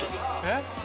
えっ？